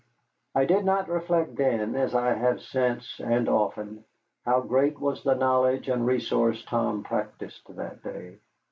I did not reflect then, as I have since and often, how great was the knowledge and resource Tom practised that day.